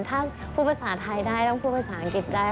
ถ้าพูดภาษาไทยได้ต้องพูดภาษาอังกฤษได้